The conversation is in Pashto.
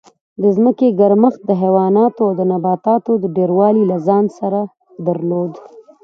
د ځمکې ګرمښت د حیواناتو او نباتاتو ډېروالی له ځان سره درلود